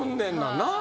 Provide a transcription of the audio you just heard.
なあ？